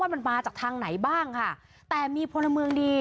มันมาจากทางไหนบ้างค่ะแต่มีพลเมืองดี